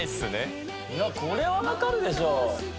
・これは分かるでしょ！